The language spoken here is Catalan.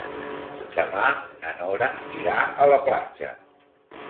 Demà na Nora irà a la platja.